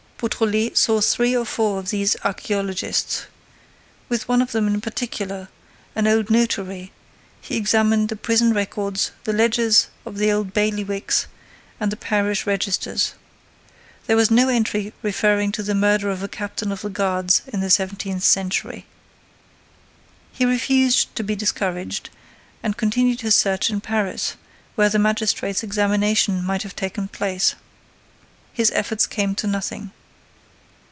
Beautrelet saw three or four of these archaeologists. With one of them in particular, an old notary, he examined the prison records, the ledgers of the old bailiwicks and the parish registers. There was no entry referring to the murder of a captain of the guards in the seventeenth century. He refused to be discouraged and continued his search in Paris, where the magistrate's examination might have taken place. His efforts came to nothing.